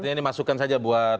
ini masukan saja buat